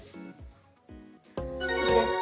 次です。